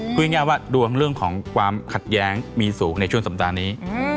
พูดง่ายว่าดวงเรื่องของความขัดแย้งมีสูงในช่วงสัปดาห์นี้